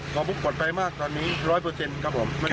กระบุกปลอดภัยมากตอนนี้๑๐๐ครับผม